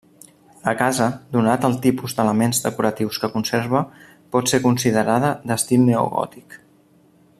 La casa, donat el tipus d'elements decoratius que conserva, pot ser considerada d'estil neogòtic.